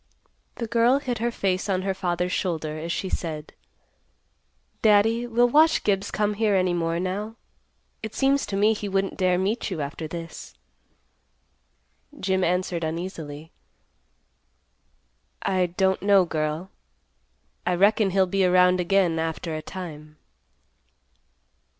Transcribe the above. The girl hid her face on her father's shoulder, as she said, "Daddy, will Wash Gibbs come here any more now? It seems to me he wouldn't dare meet you after this." Jim answered uneasily, "I don't know, girl. I reckon he'll be around again after a time."